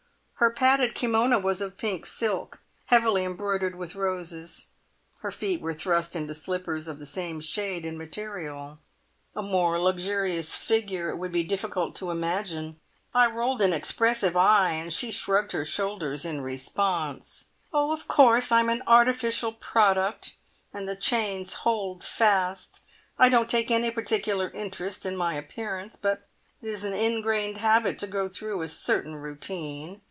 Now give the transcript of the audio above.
Her padded kimona was of pink silk, heavily embroidered with roses, her feet were thrust into slippers of the same shade and material. A more luxurious figure it would be difficult to imagine. I rolled an expressive eye, and she shrugged her shoulders in response. "Oh, of course, I am an artificial product, and the chains hold fast. I don't take any particular interest in my appearance, but it is an ingrained habit to go through a certain routine.